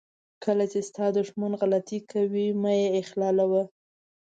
کله چې ستا دښمن غلطي کوي مه یې اخلالوه.